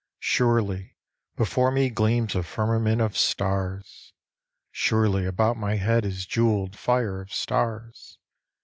Surely before me gleams a firmament of stars ! Suroly about my head is jewelled fire of stars